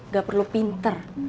gak perlu pinter